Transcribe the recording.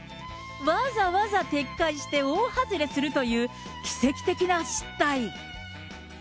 わざわざ撤回して大外れするという、奇跡的な失態。